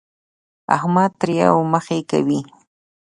احمد تريو مخی کوي.